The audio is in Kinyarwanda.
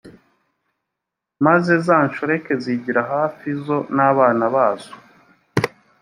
maze za nshoreke zigira hafi zo n abana bazo